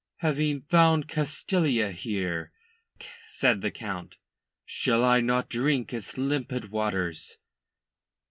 "Having found Castalia here," said, the Count, "shall I not drink its limpid waters?"